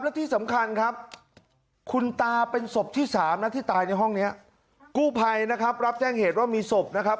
และที่สำคัญครับคุณตาเป็นศพที่สามนะที่ตายในห้องนี้กู้ภัยนะครับรับแจ้งเหตุว่ามีศพนะครับ